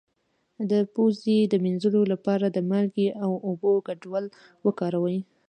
د پوزې د مینځلو لپاره د مالګې او اوبو ګډول وکاروئ